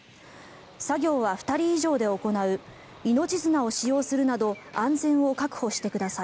作業は２人以上で行う命綱を使用するなど安全を確保してください。